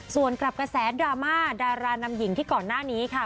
ส่วนกับกระแสดราม่าดารานำหญิงที่ก่อนหน้านี้ค่ะ